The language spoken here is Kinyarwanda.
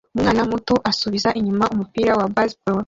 Umwana muto asubiza inyuma umupira wa baseball